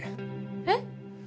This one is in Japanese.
えっ？